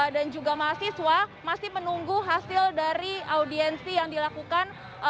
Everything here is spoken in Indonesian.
dan juga mahasiswa masih menunggu hasil dari audiensi yang dilakukan